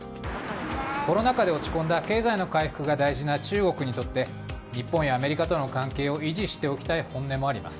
コロナ禍で落ち込んだ経済の回復が大事な中国にとって日本やアメリカとの関係を維持しておきたい本音もあります。